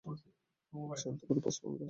Chall, তোমার প্রস্তাবে আমি রাজী!